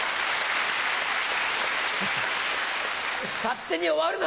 勝手に終わるな！